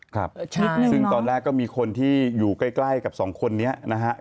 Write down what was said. ครับซึ่งตอนแรกก็มีคนที่อยู่ใกล้กับสองคนนี้นะฮะ